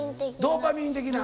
ドーパミン的な。